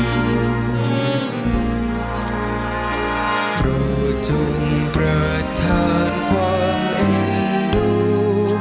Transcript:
โปรดจงประทานความอินดู